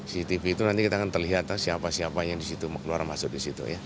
cctv itu nanti kita akan terlihat siapa siapa yang keluar masuk di situ